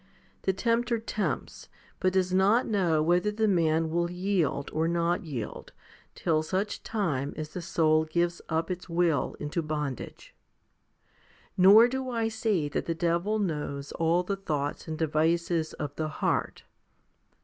The tempter tempts, but does not know whether the man will yield or not yield, till such time as the soul gives up its will into bondage. Nor do I say that the devil knows all the thoughts and devices of the heart.